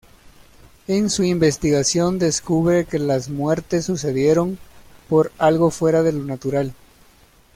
En su investigación descubre que las muertes sucedieron por algo fuera de lo natural.